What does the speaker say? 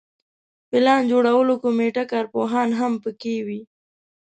پلان جوړولو کمیټه کارپوهان هم په کې وي.